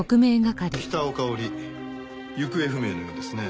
北尾佳織行方不明のようですね。